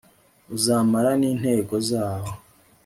UZAMARA N INTEGO ZAWO